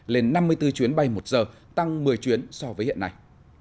lên năm mươi bốn chuyến bay một giờ tăng một mươi chuyến so với hiện nay